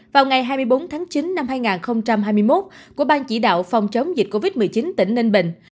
vào ngày hai mươi bốn tháng chín năm hai nghìn hai mươi một của ban chỉ đạo phòng chống dịch covid một mươi chín tỉnh ninh bình